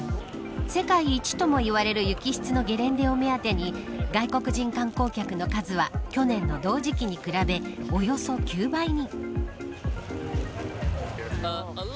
世界一ともいわれる雪質のゲレンデを目当てに外国人観光客の数は去年の同時期に比べおよそ９倍に。